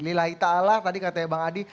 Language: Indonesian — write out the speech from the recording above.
lila ita allah tadi katanya bang adi